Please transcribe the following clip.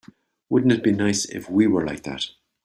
Wouldn't it be nice if we were like that?